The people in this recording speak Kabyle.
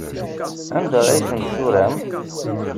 Anda ay tent-turam?